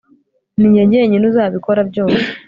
Ninjye njyenyine uzabikora byose